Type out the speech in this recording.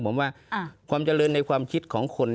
ผมว่าความเจริญในความคิดของคน